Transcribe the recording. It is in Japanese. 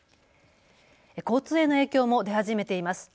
交通への影響も出始めています。